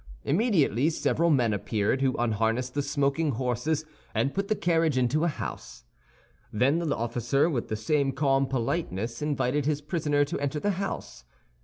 Immediately several men appeared, who unharnessed the smoking horses, and put the carriage into a coach house. Then the officer, with the same calm politeness, invited his prisoner to enter the house.